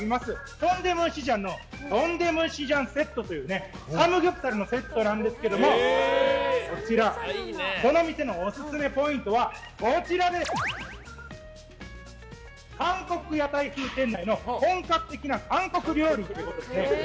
トンデムンシジャンのトンデムンシジャンセットというサムギョプサルのセットですがこの店のオススメポイントは韓国屋台風店内の本格的な韓国料理ですね。